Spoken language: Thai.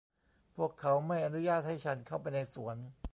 พวกเขาไม่อนุญาตให้ฉันเข้าไปในสวน